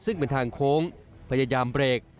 ซึ่งเป็นทางโค้งพยายามเบรก